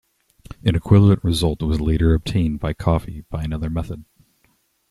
An equivalent result was later obtained by Coffey by another method.